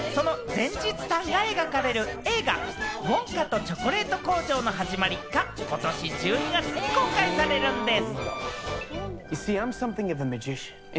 その前日譚が描かれる映画『ウォンカとチョコレート工場のはじまり』がことし１２月に公開されるんでぃす。